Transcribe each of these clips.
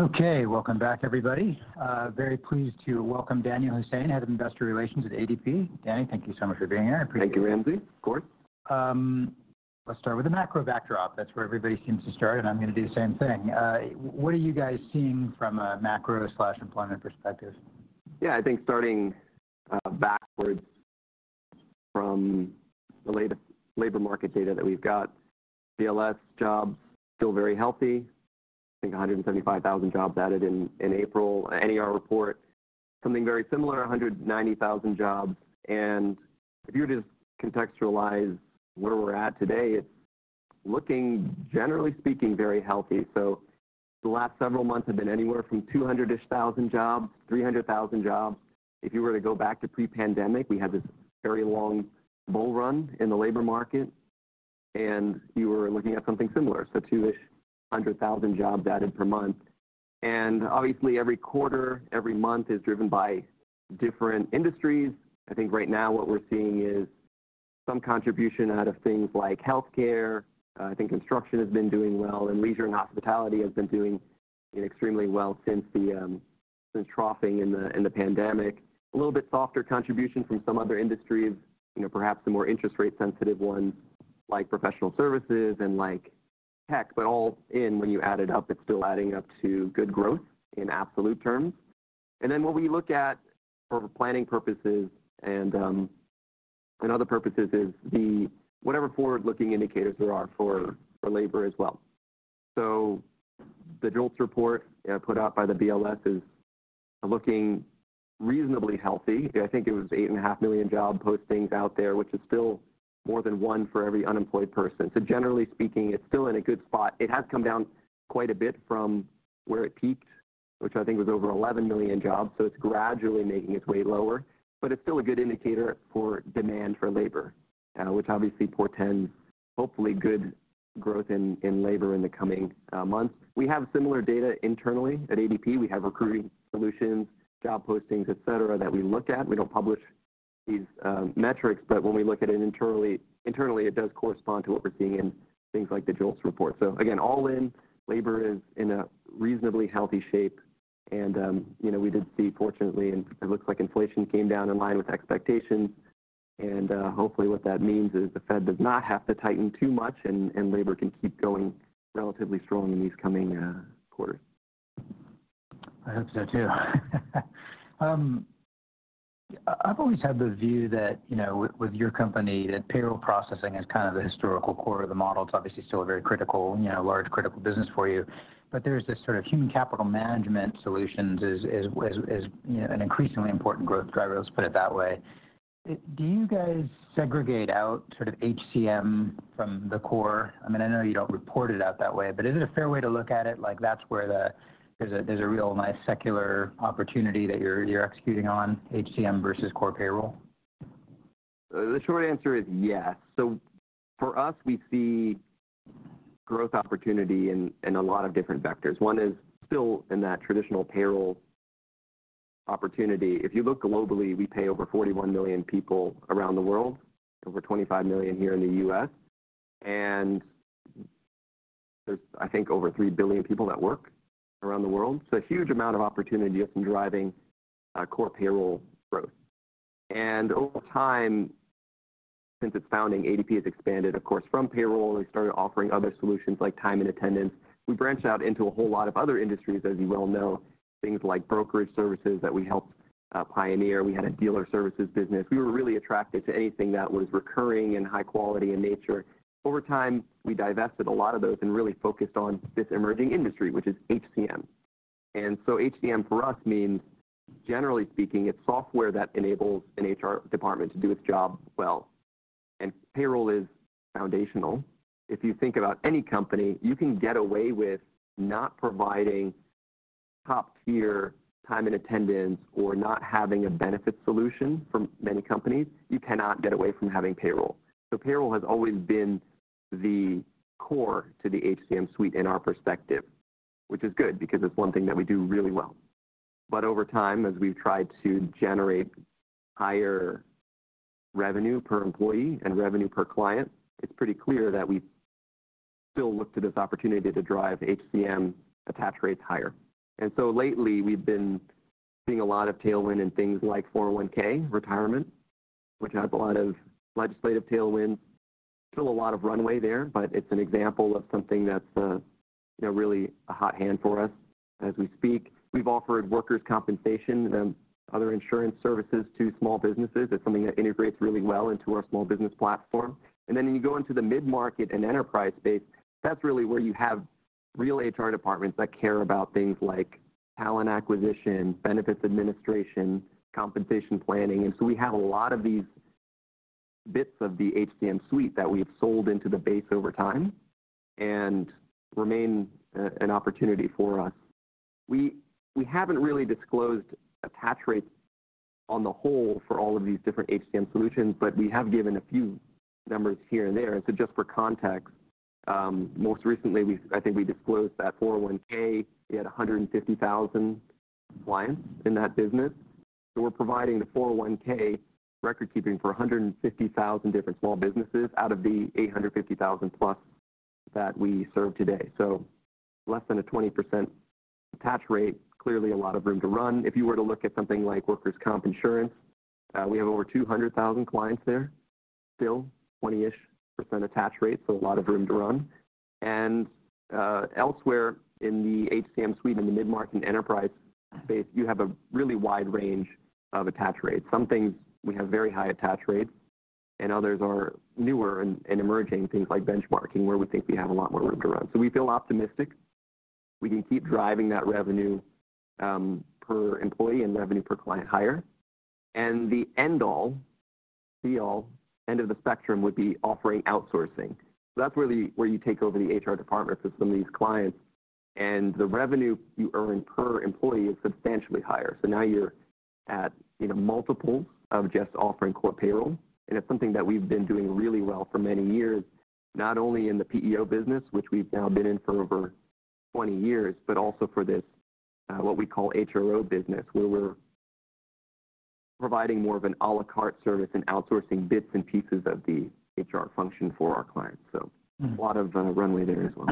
Okay, welcome back, everybody. Very pleased to welcome Danyal Hussain, Head of Investor Relations at ADP. Danny, thank you so much for being here. Thank you, Ramsey. Of course. Let's start with the macro backdrop. That's where everybody seems to start, and I'm going to do the same thing. What are you guys seeing from a macro/employment perspective? Yeah, I think starting backwards from the latest labor market data that we've got, BLS jobs feel very healthy. I think 175,000 jobs added in April. NER report, something very similar, 190,000 jobs. And if you were to just contextualize where we're at today, it's looking, generally speaking, very healthy. So the last several months have been anywhere from 200,000-ish jobs, 300,000 jobs. If you were to go back to pre-pandemic, we had this very long bull run in the labor market, and you were looking at something similar, so 200,000-ish jobs added per month. And obviously, every quarter, every month is driven by different industries. I think right now what we're seeing is some contribution out of things like healthcare. I think construction has been doing well, and leisure and hospitality have been doing extremely well since troughing in the pandemic. A little bit softer contribution from some other industries, perhaps the more interest rate-sensitive ones like professional services and tech, but all in, when you add it up, it's still adding up to good growth in absolute terms. And then what we look at for planning purposes and other purposes is whatever forward-looking indicators there are for labor as well. So the JOLTS report put out by the BLS is looking reasonably healthy. I think it was 8.5 million job postings out there, which is still more than one for every unemployed person. So generally speaking, it's still in a good spot. It has come down quite a bit from where it peaked, which I think was over 11 million jobs. So it's gradually making its way lower, but it's still a good indicator for demand for labor, which obviously portends hopefully good growth in labor in the coming months. We have similar data internally at ADP. We have Recruiting Solutions, job postings, etc., that we look at. We don't publish these metrics, but when we look at it internally, it does correspond to what we're seeing in things like the JOLTS report. So again, all in, labor is in a reasonably healthy shape. And we did see, fortunately, and it looks like inflation came down in line with expectations. And hopefully, what that means is the Fed does not have to tighten too much, and labor can keep going relatively strong in these coming quarters. I hope so too. I've always had the view that with your company, that payroll processing is kind of the historical core of the model. It's obviously still a very critical, large critical business for you. But there's this sort of human capital management solutions as an increasingly important growth driver, let's put it that way. Do you guys segregate out sort of HCM from the core? I mean, I know you don't report it out that way, but is it a fair way to look at it like that's where there's a real nice secular opportunity that you're executing on, HCM versus core payroll? The short answer is yes. So for us, we see growth opportunity in a lot of different vectors. One is still in that traditional payroll opportunity. If you look globally, we pay over 41 million people around the world, over 25 million here in the U.S. And there's, I think, over 3 billion people that work around the world. So a huge amount of opportunity is in driving core payroll growth. And over time, since its founding, ADP has expanded, of course, from payroll. They started offering other solutions like time and attendance. We branched out into a whole lot of other industries, as you well know, things like brokerage services that we helped pioneer. We had a dealer services business. We were really attracted to anything that was recurring and high quality in nature. Over time, we divested a lot of those and really focused on this emerging industry, which is HCM. HCM for us means, generally speaking, it's software that enables an HR department to do its job well. Payroll is foundational. If you think about any company, you can get away with not providing top-tier time and attendance or not having a benefit solution for many companies. You cannot get away from having payroll. Payroll has always been the core to the HCM suite in our perspective, which is good because it's one thing that we do really well. Over time, as we've tried to generate higher revenue per employee and revenue per client, it's pretty clear that we still look to this opportunity to drive HCM attach rates higher. And so lately, we've been seeing a lot of tailwind in things like 401(k) retirement, which has a lot of legislative tailwinds. Still a lot of runway there, but it's an example of something that's really a hot hand for us as we speak. We've offered workers' compensation and other insurance services to small businesses. It's something that integrates really well into our small business platform. And then when you go into the mid-market and enterprise space, that's really where you have real HR departments that care about things like talent acquisition, benefits administration, compensation planning. And so we have a lot of these bits of the HCM suite that we've sold into the base over time and remain an opportunity for us. We haven't really disclosed attach rates on the whole for all of these different HCM solutions, but we have given a few numbers here and there. Just for context, most recently, I think we disclosed that 401(k). We had 150,000 clients in that business. We're providing the 401(k) record keeping for 150,000 different small businesses out of the 850,000-plus that we serve today. Less than a 20% attach rate, clearly a lot of room to run. If you were to look at something like workers' comp insurance, we have over 200,000 clients there, still 20-ish% attach rate, so a lot of room to run. Elsewhere in the HCM suite, in the mid-market and enterprise space, you have a really wide range of attach rates. Some things we have very high attach rates, and others are newer and emerging, things like benchmarking where we think we have a lot more room to run. We feel optimistic. We can keep driving that revenue per employee and revenue per client higher. end of the spectrum would be offering outsourcing. That's where you take over the HR department for some of these clients. The revenue you earn per employee is substantially higher. Now you're at multiples of just offering core payroll. It's something that we've been doing really well for many years, not only in the PEO business, which we've now been in for over 20 years, but also for this what we call HRO business, where we're providing more of an à la carte service and outsourcing bits and pieces of the HR function for our clients. A lot of runway there as well.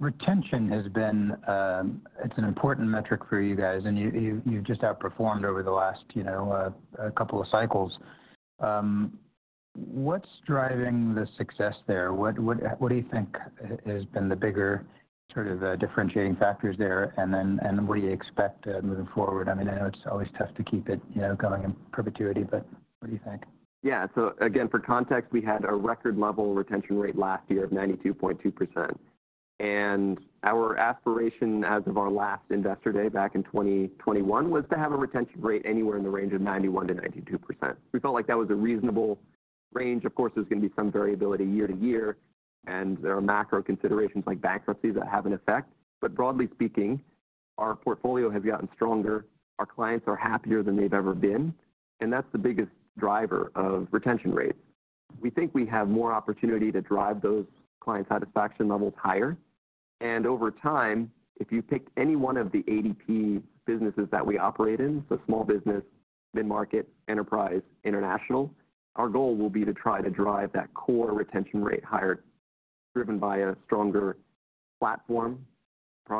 Retention has been. It's an important metric for you guys, and you've just outperformed over the last couple of cycles. What's driving the success there? What do you think has been the bigger sort of differentiating factors there, and then what do you expect moving forward? I mean, I know it's always tough to keep it going in perpetuity, but what do you think? Yeah. So again, for context, we had a record-level retention rate last year of 92.2%. And our aspiration as of our last investor day back in 2021 was to have a retention rate anywhere in the range of 91%-92%. We felt like that was a reasonable range. Of course, there's going to be some variability year to year, and there are macro considerations like bankruptcies that have an effect. But broadly speaking, our portfolio has gotten stronger. Our clients are happier than they've ever been. And that's the biggest driver of retention rates. We think we have more opportunity to drive those client satisfaction levels higher. Over time, if you pick any one of the ADP businesses that we operate in, so small business, mid-market, enterprise, international, our goal will be to try to drive that core retention rate higher, driven by a stronger platform,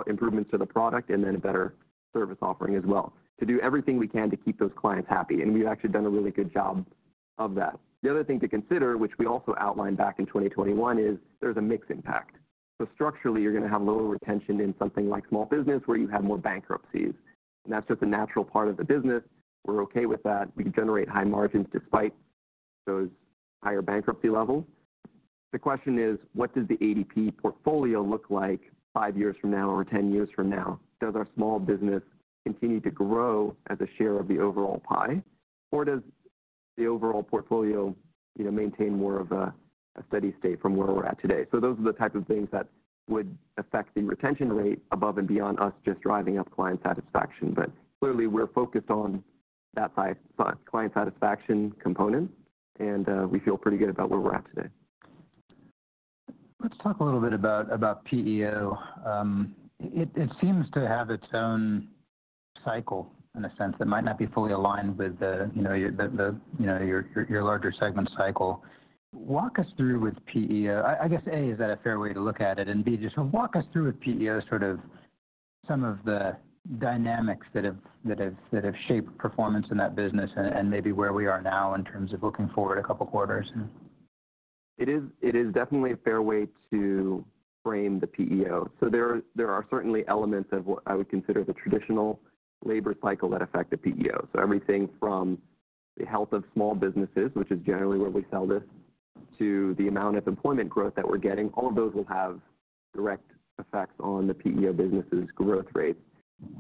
improvements to the product, and then a better service offering as well, to do everything we can to keep those clients happy. We've actually done a really good job of that. The other thing to consider, which we also outlined back in 2021, is there's a mix impact. Structurally, you're going to have lower retention in something like small business where you have more bankruptcies. That's just a natural part of the business. We're okay with that. We generate high margins despite those higher bankruptcy levels. The question is, what does the ADP portfolio look like five years from now or 10 years from now? Does our small business continue to grow as a share of the overall pie, or does the overall portfolio maintain more of a steady state from where we're at today? So those are the type of things that would affect the retention rate above and beyond us just driving up client satisfaction. But clearly, we're focused on that client satisfaction component, and we feel pretty good about where we're at today. Let's talk a little bit about PEO. It seems to have its own cycle in a sense that might not be fully aligned with your larger segment cycle. Walk us through with PEO. I guess, A, is that a fair way to look at it? And B, just walk us through with PEO sort of some of the dynamics that have shaped performance in that business and maybe where we are now in terms of looking forward a couple of quarters. It is definitely a fair way to frame the PEO. So there are certainly elements of what I would consider the traditional labor cycle that affect the PEO. So everything from the health of small businesses, which is generally where we sell this, to the amount of employment growth that we're getting, all of those will have direct effects on the PEO business's growth rates.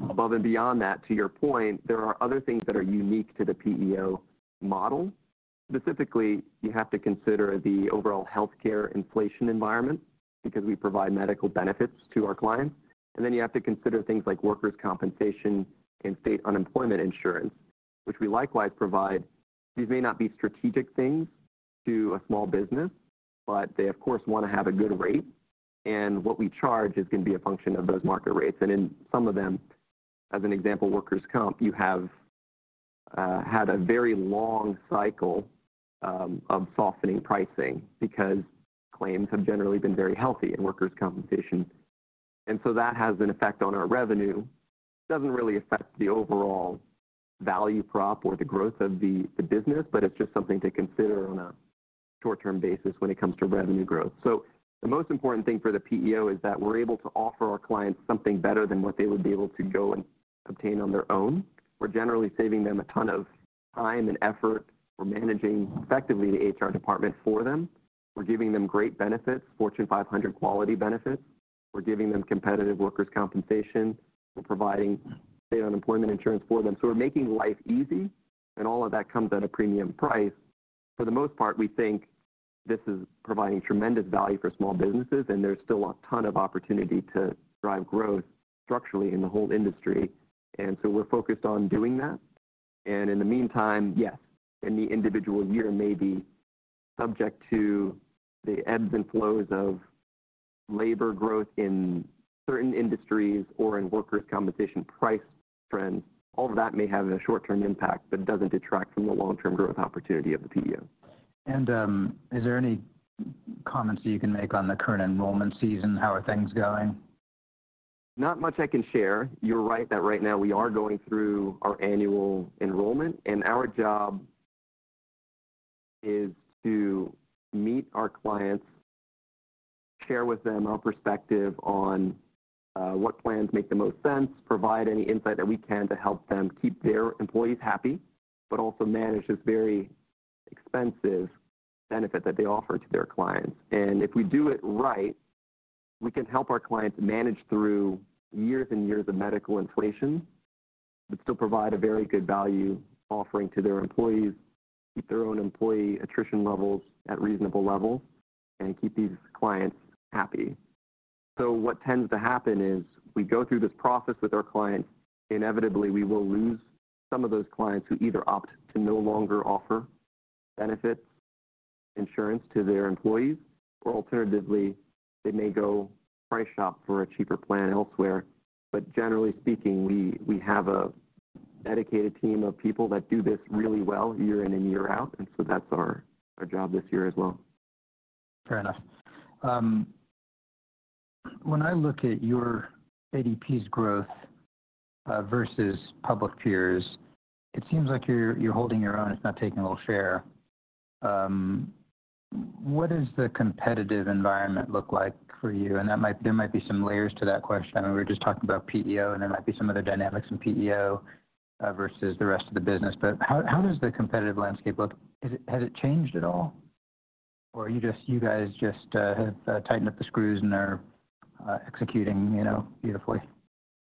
Above and beyond that, to your point, there are other things that are unique to the PEO model. Specifically, you have to consider the overall healthcare inflation environment because we provide medical benefits to our clients. And then you have to consider things like Workers' Compensation and state unemployment insurance, which we likewise provide. These may not be strategic things to a small business, but they, of course, want to have a good rate. What we charge is going to be a function of those market rates. In some of them, as an example, workers' comp, you have had a very long cycle of softening pricing because claims have generally been very healthy in workers' compensation. That has an effect on our revenue. It doesn't really affect the overall value prop or the growth of the business, but it's just something to consider on a short-term basis when it comes to revenue growth. The most important thing for the PEO is that we're able to offer our clients something better than what they would be able to go and obtain on their own. We're generally saving them a ton of time and effort. We're managing effectively the HR department for them. We're giving them great benefits, Fortune 500 quality benefits. We're giving them competitive workers' compensation. We're providing state unemployment insurance for them. So we're making life easy, and all of that comes at a premium price. For the most part, we think this is providing tremendous value for small businesses, and there's still a ton of opportunity to drive growth structurally in the whole industry. And so we're focused on doing that. And in the meantime, yes, in the individual year, maybe subject to the ebbs and flows of labor growth in certain industries or in Workers' Compensation price trends, all of that may have a short-term impact, but it doesn't detract from the long-term growth opportunity of the PEO. Is there any comments that you can make on the current enrollment season? How are things going? Not much I can share. You're right that right now, we are going through our annual enrollment. And our job is to meet our clients, share with them our perspective on what plans make the most sense, provide any insight that we can to help them keep their employees happy, but also manage this very expensive benefit that they offer to their clients. And if we do it right, we can help our clients manage through years and years of medical inflation, but still provide a very good value offering to their employees, keep their own employee attrition levels at reasonable levels, and keep these clients happy. So what tends to happen is we go through this process with our clients. Inevitably, we will lose some of those clients who either opt to no longer offer benefits, insurance to their employees, or alternatively, they may go price shop for a cheaper plan elsewhere. Generally speaking, we have a dedicated team of people that do this really well year in and year out. That's our job this year as well. Fair enough. When I look at your ADP's growth versus public peers, it seems like you're holding your own. It's not taking a little share. What does the competitive environment look like for you? And there might be some layers to that question. I mean, we were just talking about PEO, and there might be some other dynamics in PEO versus the rest of the business. But how does the competitive landscape look? Has it changed at all, or you guys just have tightened up the screws and are executing beautifully?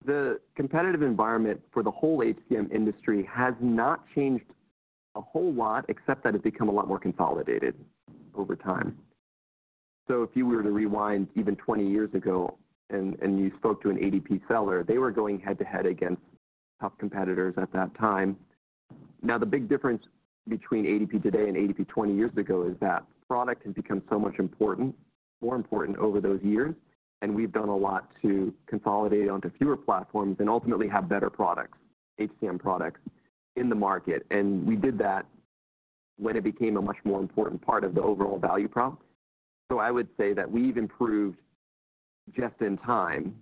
The competitive environment for the whole HCM industry has not changed a whole lot, except that it's become a lot more consolidated over time. So if you were to rewind even 20 years ago and you spoke to an ADP seller, they were going head-to-head against tough competitors at that time. Now, the big difference between ADP today and ADP 20 years ago is that product has become so much important, more important over those years. And we've done a lot to consolidate onto fewer platforms and ultimately have better products, HCM products, in the market. And we did that when it became a much more important part of the overall value prop. So I would say that we've improved just in time.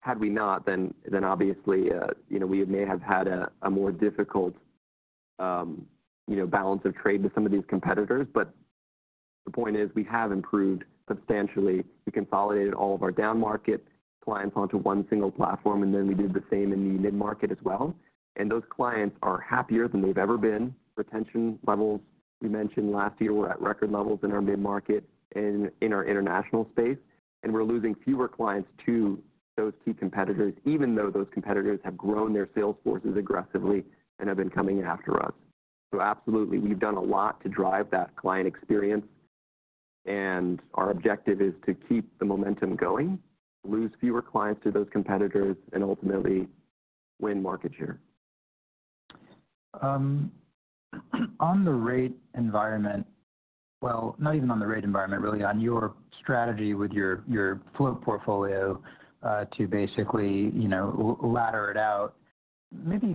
Had we not, then obviously, we may have had a more difficult balance of trade with some of these competitors. But the point is, we have improved substantially. We consolidated all of our down-market clients onto one single platform, and then we did the same in the mid-market as well. And those clients are happier than they've ever been. Retention levels, we mentioned last year, were at record levels in our mid-market and in our international space. And we're losing fewer clients to those key competitors, even though those competitors have grown their sales forces aggressively and have been coming after us. So absolutely, we've done a lot to drive that client experience. And our objective is to keep the momentum going, lose fewer clients to those competitors, and ultimately win market share. On the rate environment, well, not even on the rate environment, really, on your strategy with your float portfolio to basically ladder it out, maybe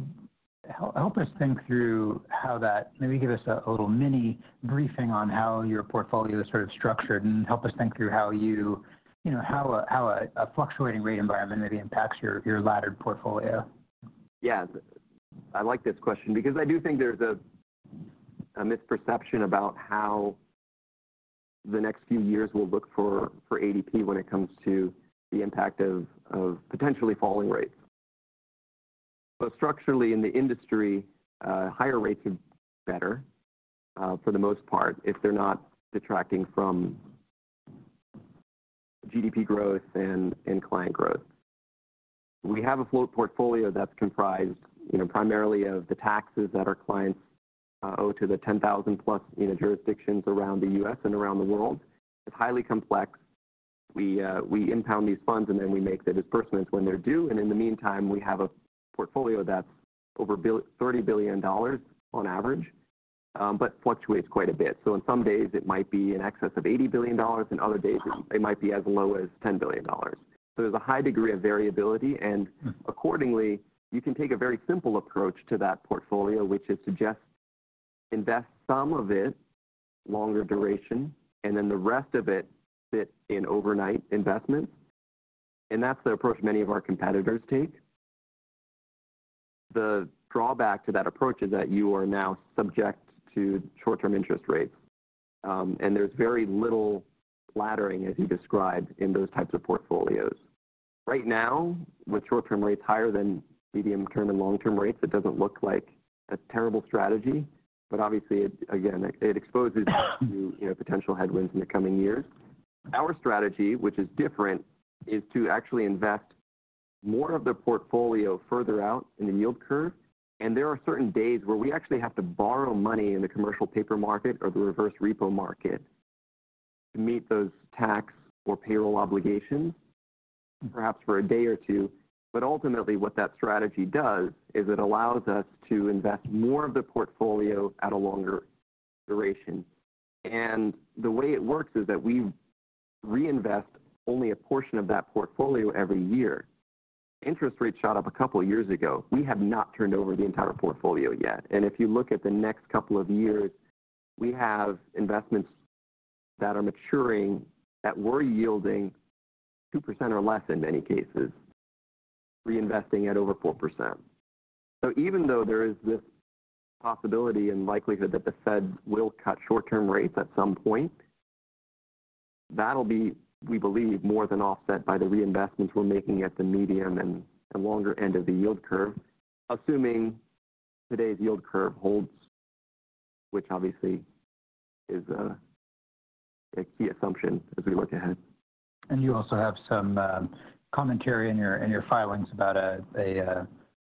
help us think through how that maybe give us a little mini briefing on how your portfolio is sort of structured and help us think through how a fluctuating rate environment maybe impacts your laddered portfolio. Yeah. I like this question because I do think there's a misperception about how the next few years will look for ADP when it comes to the impact of potentially falling rates. But structurally, in the industry, higher rates are better for the most part if they're not detracting from GDP growth and client growth. We have a float portfolio that's comprised primarily of the taxes that our clients owe to the 10,000+ jurisdictions around the U.S. and around the world. It's highly complex. We impound these funds, and then we make the disbursements when they're due. And in the meantime, we have a portfolio that's over $30 billion on average but fluctuates quite a bit. So in some days, it might be in excess of $80 billion. In other days, it might be as low as $10 billion. So there's a high degree of variability. Accordingly, you can take a very simple approach to that portfolio, which is to just invest some of it, longer duration, and then the rest of it sit in overnight investments. That's the approach many of our competitors take. The drawback to that approach is that you are now subject to short-term interest rates. There's very little laddering, as you described, in those types of portfolios. Right now, with short-term rates higher than medium-term and long-term rates, it doesn't look like a terrible strategy. But obviously, again, it exposes you to potential headwinds in the coming years. Our strategy, which is different, is to actually invest more of the portfolio further out in the yield curve. There are certain days where we actually have to borrow money in the commercial paper market or the reverse repo market to meet those tax or payroll obligations, perhaps for a day or two. Ultimately, what that strategy does is it allows us to invest more of the portfolio at a longer duration. The way it works is that we reinvest only a portion of that portfolio every year. Interest rates shot up a couple of years ago. We have not turned over the entire portfolio yet. If you look at the next couple of years, we have investments that are maturing that were yielding 2% or less in many cases, reinvesting at over 4%. So even though there is this possibility and likelihood that the Fed will cut short-term rates at some point, that'll be, we believe, more than offset by the reinvestments we're making at the medium and longer end of the yield curve, assuming today's yield curve holds, which obviously is a key assumption as we look ahead. You also have some commentary in your filings about a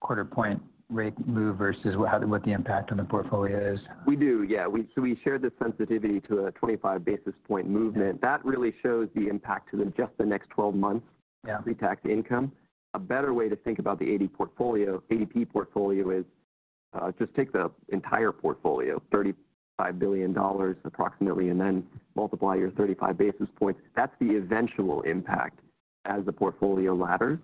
quarter-point rate move versus what the impact on the portfolio is. We do, yeah. So we shared the sensitivity to a 25 basis point movement. That really shows the impact to just the next 12 months, pre-tax income. A better way to think about the ADP portfolio is just take the entire portfolio, $35 billion approximately, and then multiply your 35 basis points. That's the eventual impact as the portfolio ladders.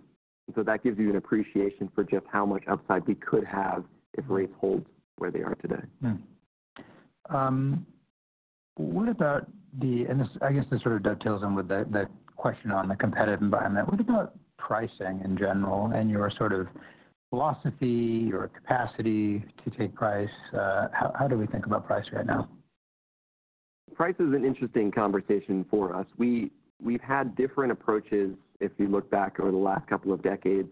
And so that gives you an appreciation for just how much upside we could have if rates hold where they are today. What about, I guess this sort of dovetails in with that question on the competitive environment. What about pricing in general and your sort of philosophy or capacity to take price? How do we think about price right now? Price is an interesting conversation for us. We've had different approaches, if you look back over the last couple of decades.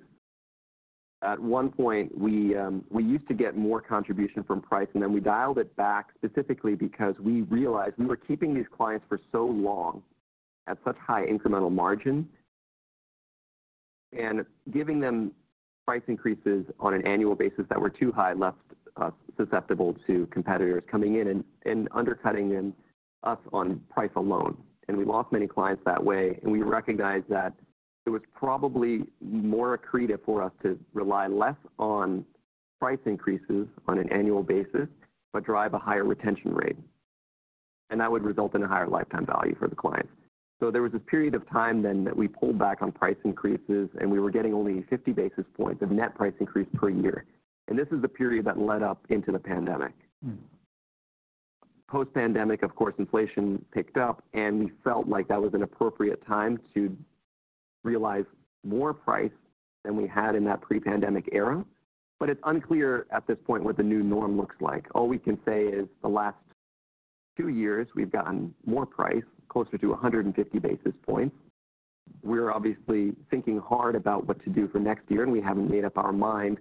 At one point, we used to get more contribution from price, and then we dialed it back specifically because we realized we were keeping these clients for so long at such high incremental margin. Giving them price increases on an annual basis that were too high left us susceptible to competitors coming in and undercutting us on price alone. We lost many clients that way. We recognized that it was probably more accretive for us to rely less on price increases on an annual basis but drive a higher retention rate. That would result in a higher lifetime value for the clients. There was this period of time then that we pulled back on price increases, and we were getting only 50 basis points of net price increase per year. This is the period that led up into the pandemic. Post-pandemic, of course, inflation picked up, and we felt like that was an appropriate time to realize more price than we had in that pre-pandemic era. It's unclear at this point what the new norm looks like. All we can say is the last two years, we've gotten more price, closer to 150 basis points. We're obviously thinking hard about what to do for next year, and we haven't made up our mind.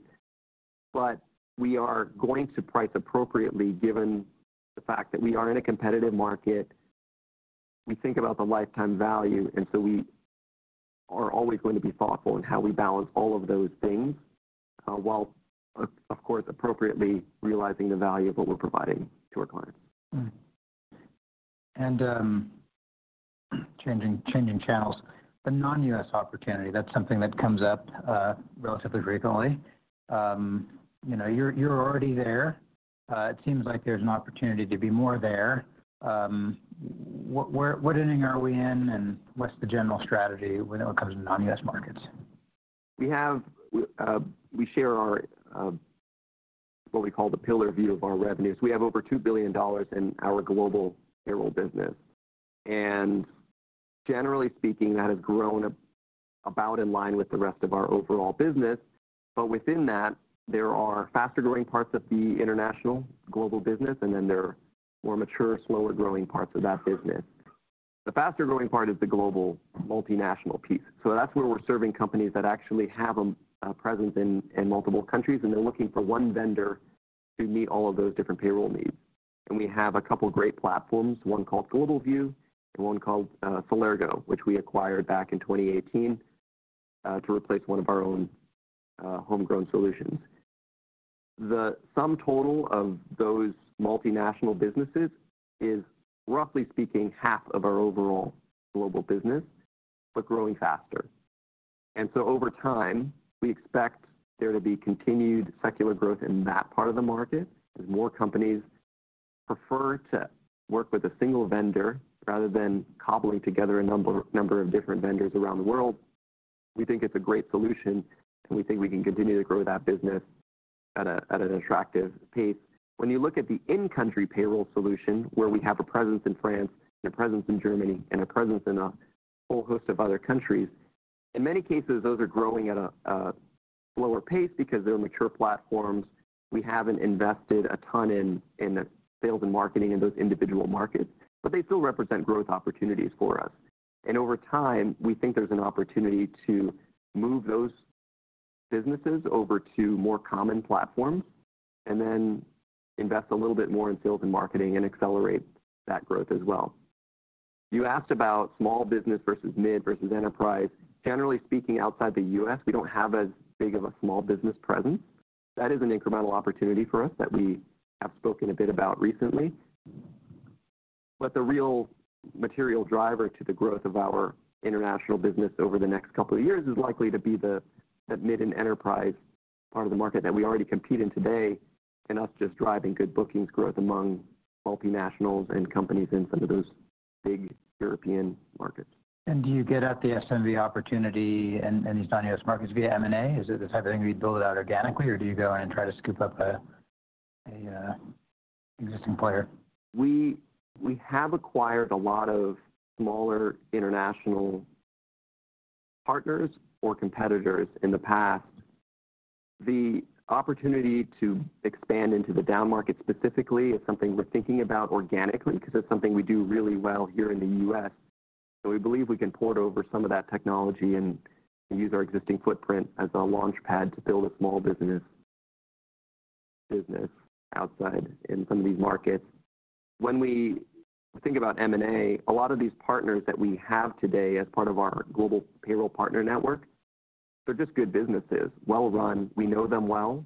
We are going to price appropriately given the fact that we are in a competitive market. We think about the lifetime value, and so we are always going to be thoughtful in how we balance all of those things while, of course, appropriately realizing the value of what we're providing to our clients. Changing channels, the non-U.S. opportunity, that's something that comes up relatively frequently. You're already there. It seems like there's an opportunity to be more there. What ending are we in, and what's the general strategy when it comes to non-U.S. markets? We share what we call the pillar view of our revenues. We have over $2 billion in our global payroll business. Generally speaking, that has grown about in line with the rest of our overall business. Within that, there are faster-growing parts of the international global business, and then there are more mature, slower-growing parts of that business. The faster-growing part is the global multinational piece. That's where we're serving companies that actually have a presence in multiple countries, and they're looking for one vendor to meet all of those different payroll needs. We have a couple of great platforms, one called GlobalView and one called Celergo, which we acquired back in 2018 to replace one of our own homegrown solutions. The sum total of those multinational businesses is, roughly speaking, half of our overall global business but growing faster. Over time, we expect there to be continued secular growth in that part of the market. As more companies prefer to work with a single vendor rather than cobbling together a number of different vendors around the world, we think it's a great solution, and we think we can continue to grow that business at an attractive pace. When you look at the in-country payroll solution, where we have a presence in France and a presence in Germany and a presence in a whole host of other countries, in many cases, those are growing at a slower pace because they're mature platforms. We haven't invested a ton in sales and marketing in those individual markets, but they still represent growth opportunities for us. Over time, we think there's an opportunity to move those businesses over to more common platforms and then invest a little bit more in sales and marketing and accelerate that growth as well. You asked about small business versus mid versus enterprise. Generally speaking, outside the U.S., we don't have as big of a small business presence. That is an incremental opportunity for us that we have spoken a bit about recently. The real material driver to the growth of our international business over the next couple of years is likely to be the mid and enterprise part of the market that we already compete in today and us just driving good bookings growth among multinationals and companies in some of those big European markets. Do you get at the SMB opportunity in these non-US markets via M&A? Is it the type of thing where you build it out organically, or do you go in and try to scoop up an existing player? We have acquired a lot of smaller international partners or competitors in the past. The opportunity to expand into the down market specifically is something we're thinking about organically because it's something we do really well here in the U.S. So we believe we can port over some of that technology and use our existing footprint as a launchpad to build a small business outside in some of these markets. When we think about M&A, a lot of these partners that we have today as part of our global payroll partner network, they're just good businesses, well-run. We know them well,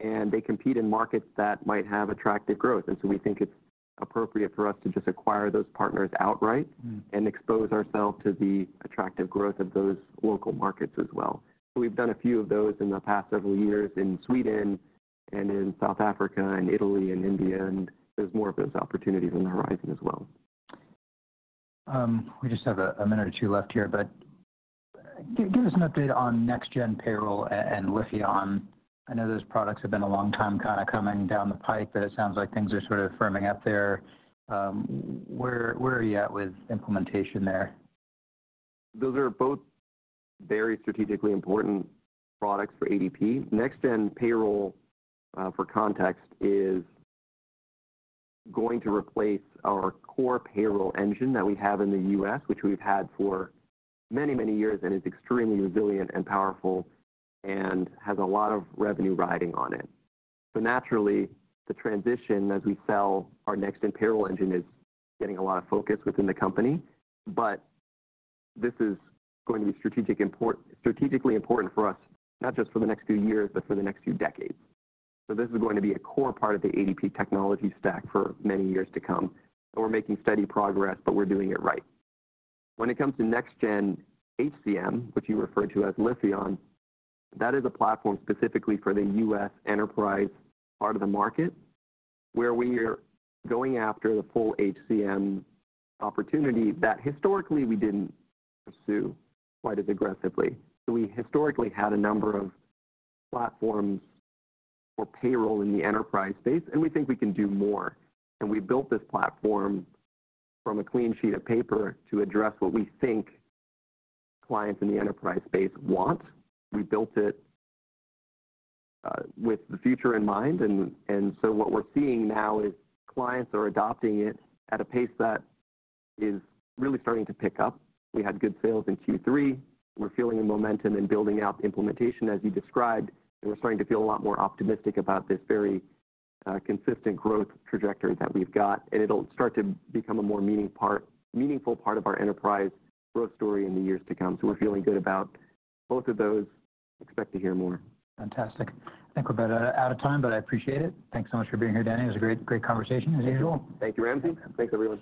and they compete in markets that might have attractive growth. And so we think it's appropriate for us to just acquire those partners outright and expose ourselves to the attractive growth of those local markets as well. We've done a few of those in the past several years in Sweden and in South Africa and Italy and India. There's more of those opportunities on the horizon as well. We just have a minute or two left here. But give us an update on next-gen payroll and Lifion. I know those products have been a long time kind of coming down the pike, but it sounds like things are sort of firming up there. Where are you at with implementation there? Those are both very strategically important products for ADP. Next-Gen Payroll, for context, is going to replace our core payroll engine that we have in the U.S., which we've had for many, many years and is extremely resilient and powerful and has a lot of revenue riding on it. So naturally, the transition as we sell our Next-Gen Payroll engine is getting a lot of focus within the company. But this is going to be strategically important for us, not just for the next few years but for the next few decades. So this is going to be a core part of the ADP technology stack for many years to come. We're making steady progress, but we're doing it right. When it comes to next-gen HCM, which you referred to as Lifion, that is a platform specifically for the US enterprise part of the market where we are going after the full HCM opportunity that historically, we didn't pursue quite as aggressively. So we historically had a number of platforms for payroll in the enterprise space, and we think we can do more. And we built this platform from a clean sheet of paper to address what we think clients in the enterprise space want. We built it with the future in mind. And so what we're seeing now is clients are adopting it at a pace that is really starting to pick up. We had good sales in Q3. We're feeling the momentum and building out the implementation, as you described. And we're starting to feel a lot more optimistic about this very consistent growth trajectory that we've got. It'll start to become a more meaningful part of our enterprise growth story in the years to come. We're feeling good about both of those. Expect to hear more. Fantastic. I think we're about out of time, but I appreciate it. Thanks so much for being here, Danny. It was a great conversation, as usual. Thank you, Ramsey. Thanks, everyone.